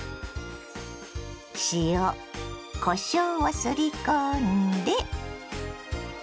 塩こしょうをすり込んで。